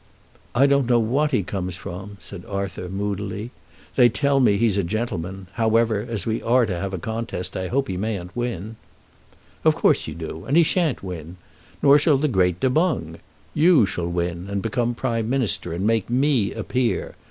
"I don't know what he comes from," said Arthur moodily. "They tell me he's a gentleman. However, as we are to have a contest, I hope he mayn't win." "Of course you do. And he shan't win. Nor shall the great Du Boung. You shall win, and become Prime Minister, and make me a peer.